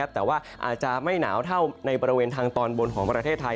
แต่ว่าอาจจะไม่หนาวเท่าในบริเวณทางตอนบนของประเทศไทย